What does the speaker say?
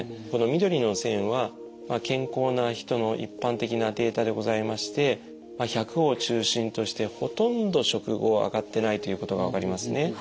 この緑の線は健康な人の一般的なデータでございまして１００を中心としてほとんど食後上がってないということが分かりますね。